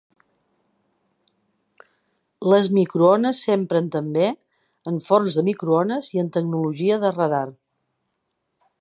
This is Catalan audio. Les microones s'empren també en forns de microones i en tecnologia de radar.